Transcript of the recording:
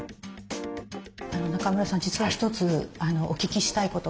中村さん実は一つお聞きしたいことがあって。